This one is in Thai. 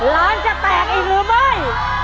ร้านจะแตกอีกหรือไม่